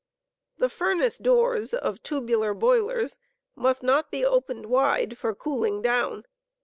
The furnace doors of tubular boilers must not be opened wide for "cooling down."